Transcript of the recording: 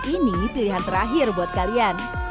ini pilihan terakhir buat kalian